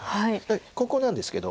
ここなんですけど。